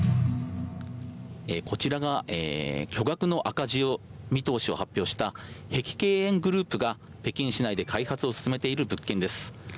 こちらが巨額の赤字の見通しを発表した碧桂園グループが北京市内で開発を進めている物件です。